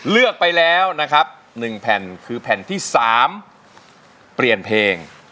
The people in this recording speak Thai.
เลือกไปแล้วนะครับ๑แผ่นคือแผ่นที่๓เปลี่ยนเพลง